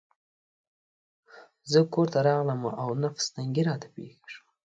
زه کورته راغلم او نفس تنګي راته پېښه شوه.